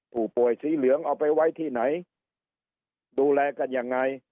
ผู้ป่วยสีเหลืองเอาไปไว้ที่ไหนดูแลกันยังไง